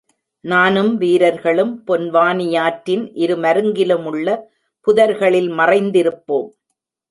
நானும் வீரர்களும் பொன்வானியாற்றின் இரு மருங்கிலுமுள்ள புதர்களில், மறைந்திருப்போம்.